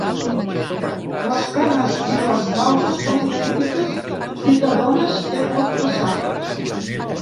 Les penes i les causes són idèntiques i t’adones què pot passar.